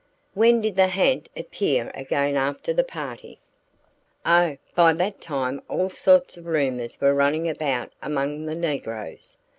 "When did the ha'nt appear again after the party?" "Oh, by that time all sorts of rumors were running about among the negroes.